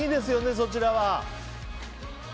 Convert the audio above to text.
そちらは。